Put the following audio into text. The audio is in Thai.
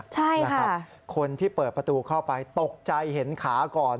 ใช่นะครับคนที่เปิดประตูเข้าไปตกใจเห็นขาก่อน